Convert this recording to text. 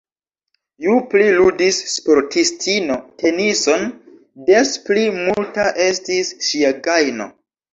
Ju pli ludis sportistino tenison, des pli multa estis ŝia gajno.